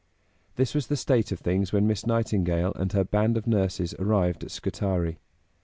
This was the state of things when Miss Nightingale and her band of nurses arrived at Scutari.